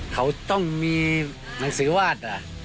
เขาต้องมีหนังสือวาด